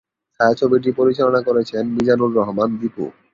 ছায়াছবিটি পরিচালনা করেছেন মিজানুর রহমান দীপু।